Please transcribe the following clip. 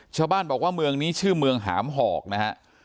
ชาวบ้านบอกว่าเมืองนี้ชื่อเมืองหามหอกนะฮะ